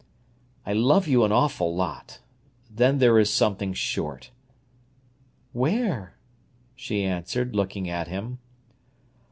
"I love you an awful lot—then there is something short." "Where?" she answered, looking at him.